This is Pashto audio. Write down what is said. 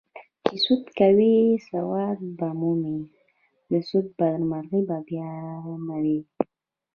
چې سود کوې سودا به مومې د سود بدمرغي بیانوي